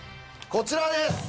こちらです